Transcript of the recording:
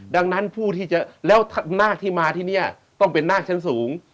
ดังนั้นผู้ที่จะแล้วนาคที่มาที่นี่ต้องเป็นนาคชั้นสูง